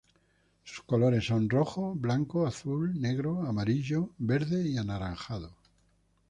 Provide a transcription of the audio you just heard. Sus colores son rojo, blanco, azul, negro, amarillo, verde y anaranjado.